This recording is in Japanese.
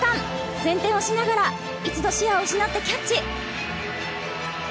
前転をしながら一度、視野を失ってキャッチ。